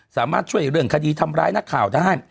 สามารถช่วยเรื่องคดีทำร้ายนักข่าวได้